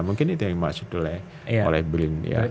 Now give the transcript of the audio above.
mungkin itu yang dimaksud oleh brin ya